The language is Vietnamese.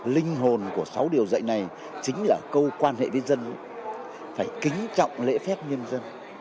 linh hồn của sáu điều dạy này chính là câu quan hệ với dân phải kính trọng lễ phép nhân dân